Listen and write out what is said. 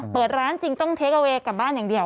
เปิดร้านจริงต้องเทคอเวย์กลับบ้านอย่างเดียว